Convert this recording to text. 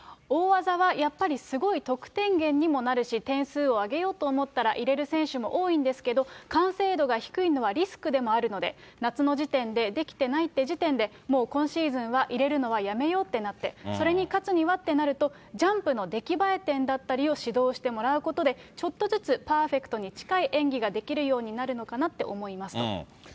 大技はやっぱりすごい得点源にもなるし、点数を上げようと思ったら、入れる選手も多いんですけど、完成度が低いのはリスクでもあるので、夏の時点でできてないって時点で、もう今シーズンは入れるのはやめようってなって、それに勝つにはってなると、ジャンプの出来栄え点だったりを指導してもらうことで、ちょっとずつパーフェクトに近い演技ができるようになるのかなって思いますと。